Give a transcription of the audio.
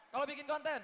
kalau bikin konten